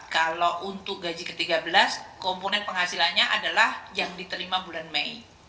kalau untuk gaji ke tiga belas komponen penghasilannya adalah yang diterima bulan mei